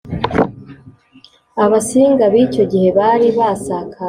abasinga b'icyo gihe bari basakaye no mu zindi ntara zose